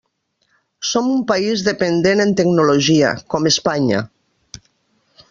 Som un país dependent en tecnologia, com Espanya.